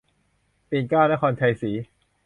ปิ่นเกล้า นครชัยศรี